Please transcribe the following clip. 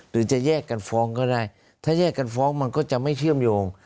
หรือจะแยกกันฟ้องก็ได้ถ้าแยกกันฟ้องมันก็จะไม่เชื่อมโยง